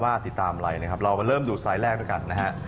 ว่าติดตามอะไรนะครับเรามาเริ่มดูไซส์แรกด้วยกันนะฮะ